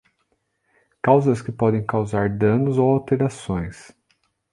Causas que podem causar danos ou alterações.